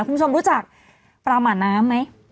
คุณผู้ชมรู้จักปลาหมาน้ำไหม